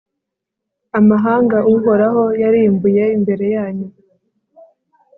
amahanga uhoraho yarimburiye imbere yanyu,